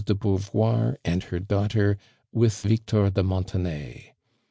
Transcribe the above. de Beauvoir and her daughter, with Victor de Montenay.